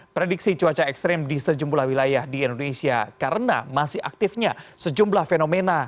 prediksi cuaca ekstrim di sejumlah wilayah di indonesia karena masih aktifnya sejumlah fenomena